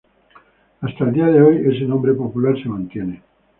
Hasta el día de hoy, ese nombre popular se mantiene.